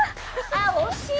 あっ惜しい！